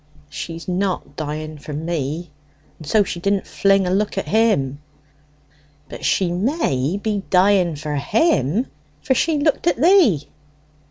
"She's not dying for me, and so she didn't fling a look at him." "But she may be dying for him, for she looked at thee."